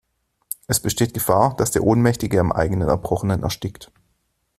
Es besteht Gefahr, dass der Ohnmächtige am eigenen Erbrochenen erstickt.